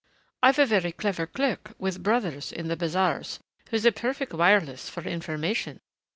I've a very clever clerk with brothers in the bazaars who is a perfect wireless for information.